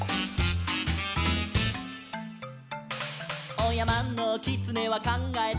「おやまのきつねはかんがえた」